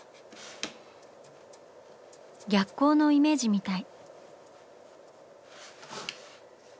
逆光のイメージみたい。